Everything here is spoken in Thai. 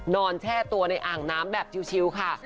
แช่ตัวในอ่างน้ำแบบชิลค่ะ